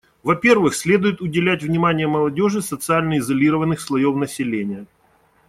Во-первых, следует уделять внимание молодежи социально изолированных слоев населения.